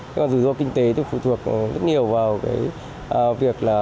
thế còn rủi ro kinh tế thì phụ thuộc rất nhiều vào cái việc là